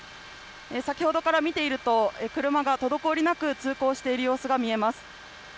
先ほどから見ていると車が滞りなく通行している様子が見えます。